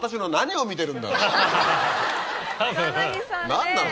何なの？